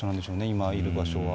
今いる場所は。